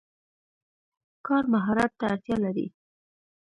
کار مهارت ته اړتیا لري.